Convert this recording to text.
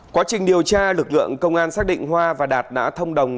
quá trình điều tra lực lượng công an xác định hoa và đạt đã thông đồng